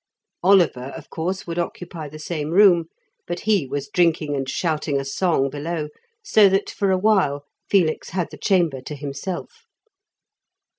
Oliver, of course, would occupy the same room, but he was drinking and shouting a song below, so that for a while Felix had the chamber to himself.